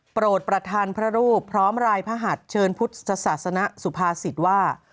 โปรดประธานพระรูปพร้อมรายพระหัสเชิญพุทธศาสนสุภาษิตว่า